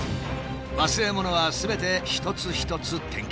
忘れ物はすべて一つ一つ点検。